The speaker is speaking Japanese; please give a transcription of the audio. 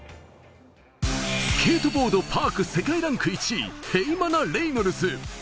スケートボードパーク世界ランク１位、ヘイマナ・レイノルズ。